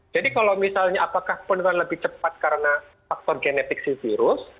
jadi kalau misalnya apakah penularan lebih cepat karena faktor genetik virus